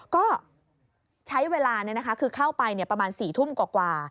ก็ใช้เวลาคือเข้าไปประมาณ๔ทุ่มกว่า